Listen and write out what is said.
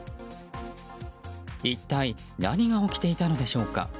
一体何が起きていたのでしょうか。